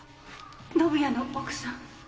宣也の奥さん？